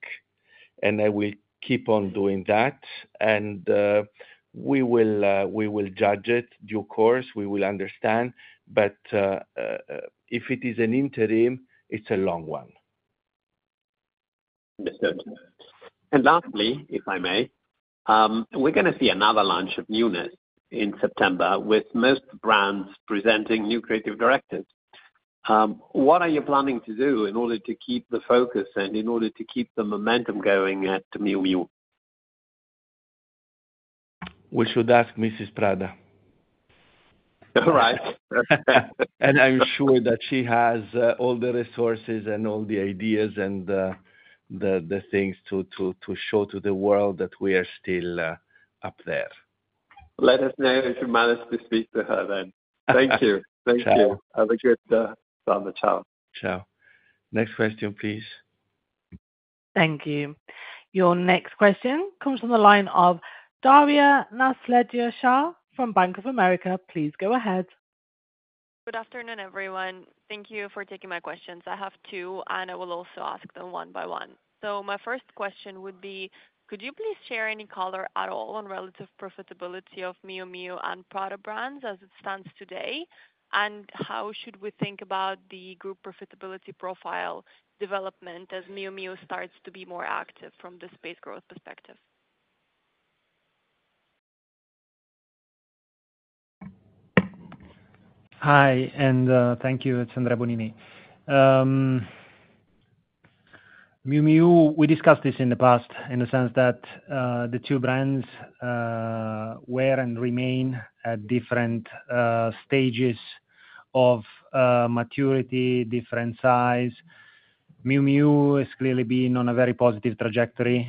and I will keep on doing that. We will judge it in due course. We will understand. If it is an interim, it is a long one. Understood. Lastly, if I may. We're going to see another launch of newness in September, with most brands presenting new creative directors. What are you planning to do in order to keep the focus and in order to keep the momentum going at Miu Miu? We should ask Mrs. Prada. All right. I'm sure that she has all the resources and all the ideas and the things to show to the world that we are still up there. Let us know if you manage to speak to her then. Thank you. Thank you. Have a good one. Ciao. Ciao. Next question, please. Thank you. Your next question comes from the line of Daria Nasledysheva, from Bank of America. Please go ahead. Good afternoon, everyone. Thank you for taking my questions. I have two, and I will also ask them one by one. My first question would be, could you please share any color at all on relative profitability of Miu Miu, and Prada brands as it stands today? How should we think about the group profitability profile development as Miu Miu starts to be more active from the space growth perspective? Hi, and thank you, Andrea Bonini. Miu Miu, we discussed this in the past in the sense that the two brands were and remain at different stages of maturity, different size. Miu Miu, has clearly been on a very positive trajectory,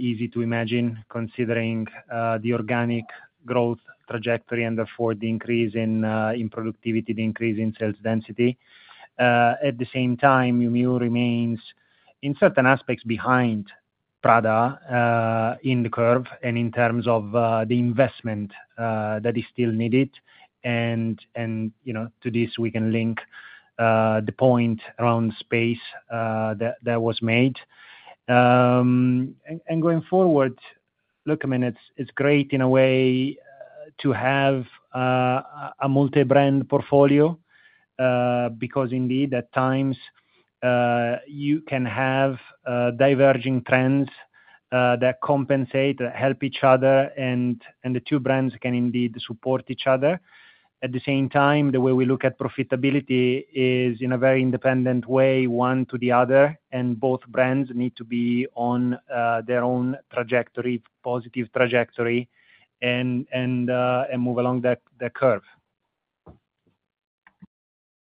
easy to imagine, considering the organic growth trajectory and therefore the increase in productivity, the increase in sales density. At the same time, Miu Miu, remains in certain aspects behind Prada, in the curve and in terms of the investment that is still needed. To this, we can link the point around space that was made. Going forward, look, I mean, it's great in a way to have a multi-brand portfolio because indeed, at times, you can have diverging trends that compensate, that help each other, and the two brands can indeed support each other. At the same time, the way we look at profitability is in a very independent way, one to the other, and both brands need to be on their own trajectory, positive trajectory, and move along the curve.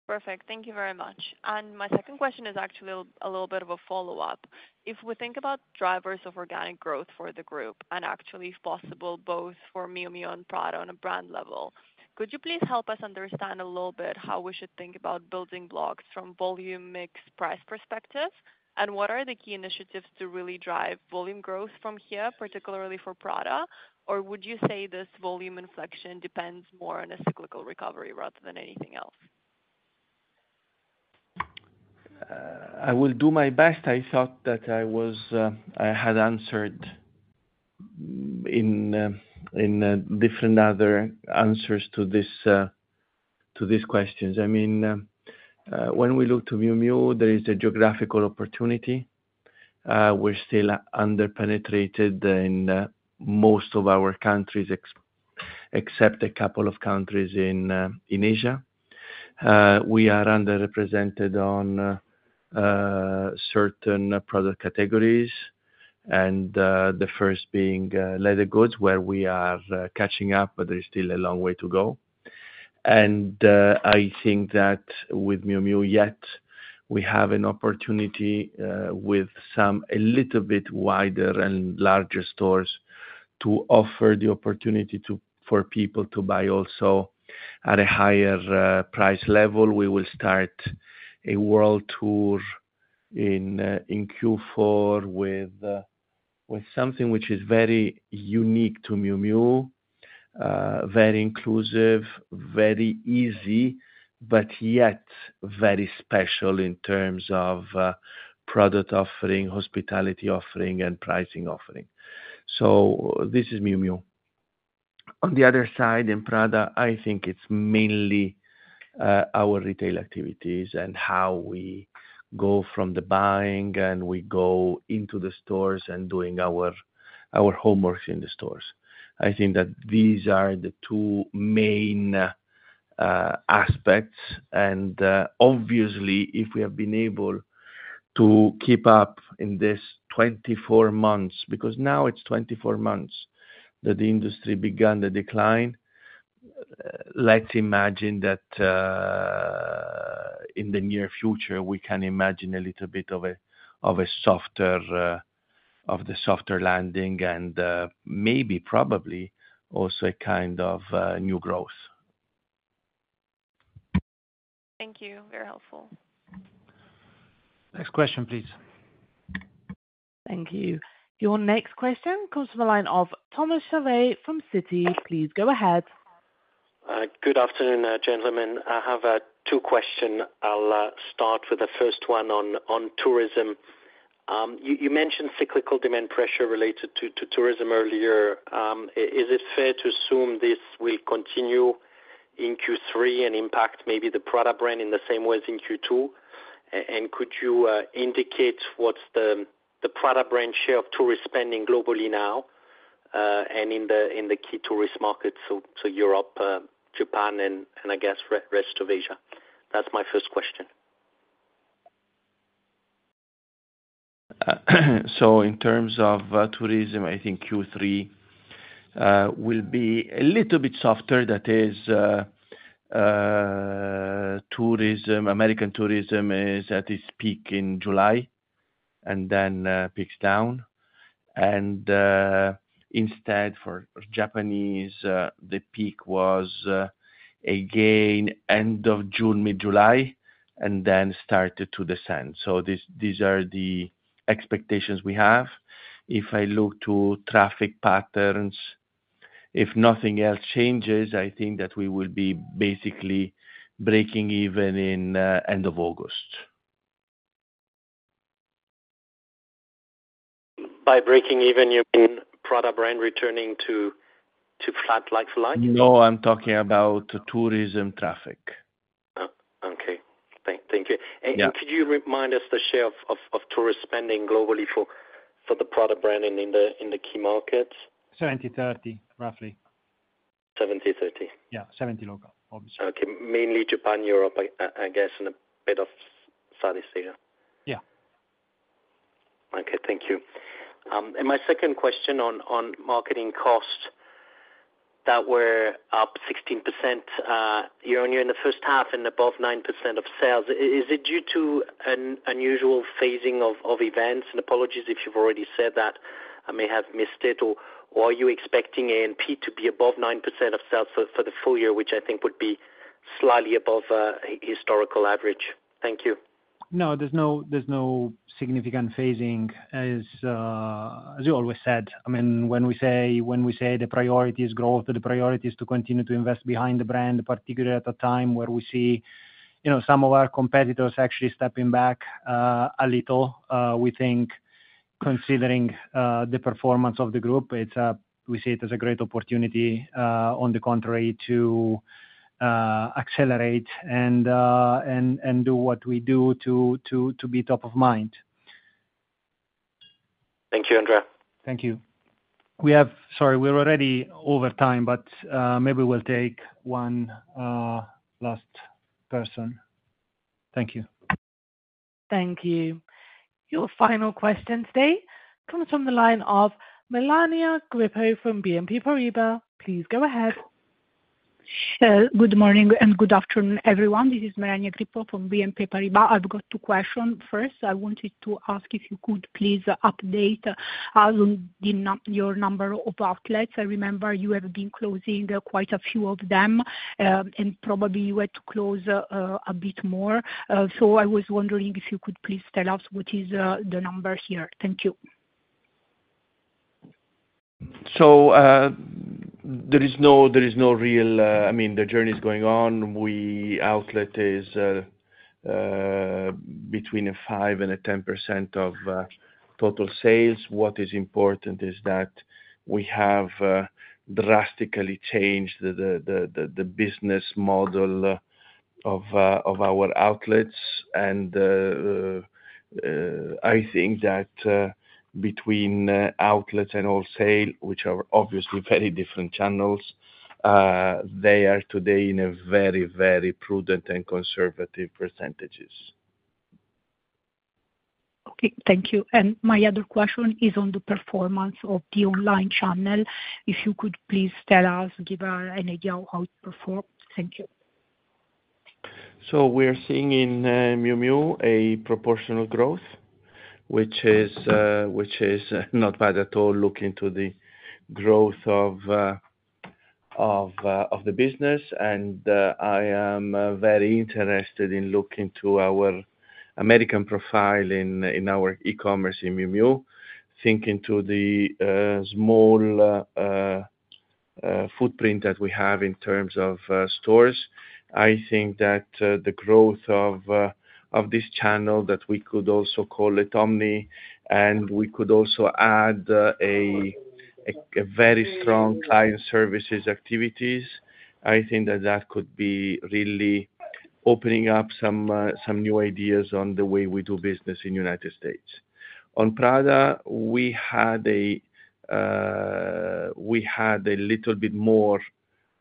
Perfect. Thank you very much. My second question is actually a little bit of a follow-up. If we think about drivers of organic growth for the group, and actually, if possible, both for Miu Miu, and Prada, on a brand level, could you please help us understand a little bit how we should think about building blocks from volume mix price perspective? What are the key initiatives to really drive volume growth from here, particularly for Prada? Or would you say this volume inflection depends more on a cyclical recovery rather than anything else? I will do my best. I thought that I had answered in different other answers to these questions. I mean, when we look to Miu Miu, there is a geographical opportunity. We're still under-penetrated in most of our countries, except a couple of countries in Asia. We are underrepresented on certain product categories, and the first being leather goods, where we are catching up, but there is still a long way to go. And I think that with Miu Miu, yet we have an opportunity with some a little bit wider and larger stores to offer the opportunity for people to buy also at a higher price level. We will start a world tour in Q4, with something which is very unique to Miu Miu, very inclusive, very easy, but yet very special in terms of product offering, hospitality offering, and pricing offering. This is Miu Miu. On the other side, in Prada, I think it's mainly our retail activities and how we go from the buying and we go into the stores and doing our homework in the stores. I think that these are the two main aspects. Obviously, if we have been able to keep up in these 24 months, because now it's 24 months, that the industry began the decline, let's imagine that in the near future, we can imagine a little bit of the softer landing and maybe probably also a kind of new growth. Thank you. Very helpful. Next question, please. Thank you. Your next question comes from the line of Thomas Chauvet, from Citi. Please go ahead. Good afternoon, gentlemen. I have two questions. I'll start with the first one on tourism. You mentioned cyclical demand pressure related to tourism earlier. Is it fair to assume this will continue in Q3, and impact maybe the Prada, brand in the same way as in Q2? Could you indicate what's the Prada, brand share of tourist spending globally now, and in the key tourist markets, so Europe, Japan, and I guess rest of Asia? That's my first question. In terms of tourism, I think Q3, will be a little bit softer. That is, American, tourism is at its peak in July, and then peaks down. Instead, for Japanese, the peak was again end of June, mid-July, and then started to descend. These are the expectations we have. If I look to traffic patterns, if nothing else changes, I think that we will be basically breaking even in the end of August. By breaking even, you mean Prada, brand returning to flat, like flat? No, I'm talking about tourism traffic. Okay. Thank you. Could you remind us the share of tourist spending globally for the Prada, brand in the key markets? 70/30, roughly. 70/30? Yeah. Seventy local, obviously. Okay. Mainly Japan, Europe, I guess, and a bit of Southeast Asia? Yeah. Okay. Thank you. My second question on marketing cost. That were up 16%, year-on-year in the first half and above 9%, of sales. Is it due to an unusual phasing of events? Apologies if you've already said that. I may have missed it. Are you expecting A&P, to be above 9%, of sales for the full year, which I think would be slightly above historical average? Thank you. No, there's no significant phasing. As you always said, I mean, when we say the priority is growth, the priority is to continue to invest behind the brand, particularly at a time where we see some of our competitors actually stepping back a little, we think. Considering the performance of the group, we see it as a great opportunity, on the contrary, to accelerate and do what we do to be top of mind. Thank you, Andrea. Thank you. Sorry, we're already over time, but maybe we'll take one. Last person. Thank you. Thank you. Your final question today comes from the line of Melania Grippo, from BNP Paribas. Please go ahead. Sure. Good morning and good afternoon, everyone. This is Melania Grippo, from BNP Paribas. I've got two questions. First, I wanted to ask if you could please update us on your number of outlets. I remember you have been closing quite a few of them, and probably you had to close a bit more. I was wondering if you could please tell us what is the number here. Thank you. There is no real—I mean, the journey is going on. Our outlet is between a 5%, and a 10%, of total sales. What is important is that we have drastically changed the business model of our outlets. I think that between outlets and wholesale, which are obviously very different channels, they are today in very, very prudent and conservative percentages. Okay. Thank you. My other question is on the performance of the online channel. If you could please tell us, give us an idea of how it performed. Thank you. We are seeing in Miu Miu, a proportional growth, which is not bad at all looking to the growth of the business. I am very interested in looking to our American, profile in our e-commerce in Miu Miu, thinking to the small footprint that we have in terms of stores. I think that the growth of this channel, that we could also call it Omni, and we could also add very strong client services activities, I think that that could be really opening up some new ideas on the way we do business in the United States. On Prada, we had a little bit more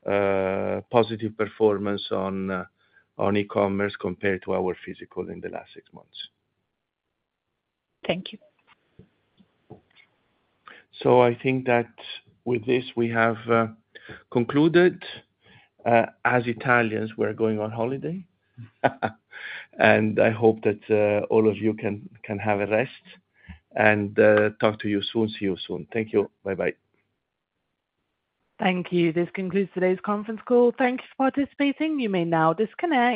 positive performance on e-commerce compared to our physical in the last six months. Thank you. I think that with this, we have concluded. As Italians, we're going on holiday. I hope that all of you can have a rest. Talk to you soon, see you soon. Thank you. Bye-bye. Thank you. This concludes today's conference call. Thank you for participating. You may now disconnect.